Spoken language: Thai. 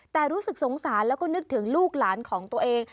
แต่รู้สึกสงสารแล้วก็นึกถึงลูกหลานของตัวเอง